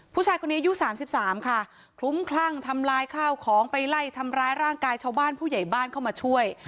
ผู้ชายคนนี้อายุ๓๓ค่ะคลุ้มคลั่งทำลายข้าวของไปไล่ทำร้ายร่างกายชาวบ้านผู้ใหญ่บ้านเข้ามาช่วย